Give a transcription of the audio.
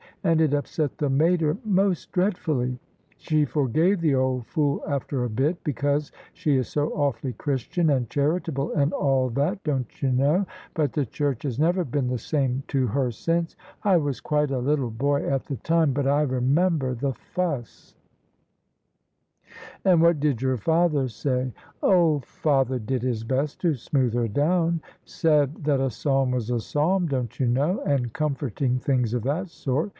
And it upset the mater most dreadfully. She forgave the old fool after a bit, because she is so awfully Christian and charitable and all that, don't you know? But the church has never been the same to her since. I was quite a little boy at the time, but I remem ber the fuss." [i88] OF ISABEL CARNABY " And what did your father say? "Oh! father did his best to smooth her down; said that a psalm was a psalm, don't you know? and comforting things of that sort.